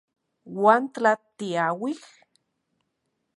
¿Uan tla tiauij...?